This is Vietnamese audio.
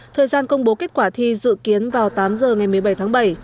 thời gian công bố kết quả thi dự kiến vào tám h ngày một mươi bảy tháng bảy